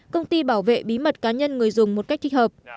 công ty bảo vệ bí mật cá nhân người dùng một cách thích hợp